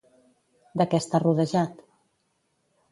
De què està rodejat?